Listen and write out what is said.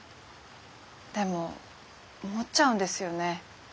でも思っちゃうんですよね。